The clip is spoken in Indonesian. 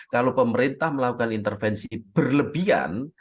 kalau pemerintah melakukan intervensi berlebihan